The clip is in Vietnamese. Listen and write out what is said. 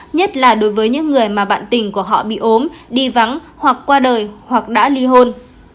nhất là đối với những người mà bạn tình của họ bị ốm đi vắng hoặc qua đời hoặc đã ly hôn